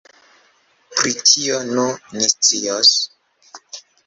Pri tio, nu, ni scios.